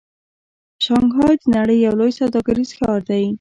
شانګهای د نړۍ یو لوی سوداګریز ښار دی.